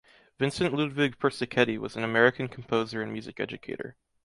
Vincent Ludwig Persichetti was an American composer and music educator.